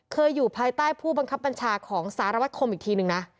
อยู่ภายใต้ผู้บังคับบัญชาของสารวัตคมอีกทีนึงนะ